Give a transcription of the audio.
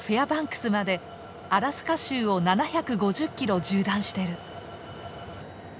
バンクスまでアラスカ州を７５０キロ縦断してる。